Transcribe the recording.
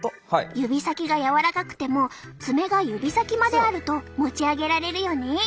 指先が柔らかくても爪が指先まであると持ち上げられるよね。